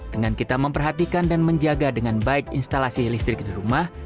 dengan kita memperhatikan dan menjaga dengan baik instalasi listrik di rumah